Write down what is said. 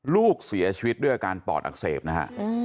ลูกเสียชีวิตด้วยอาการปอดอักเสบนะฮะ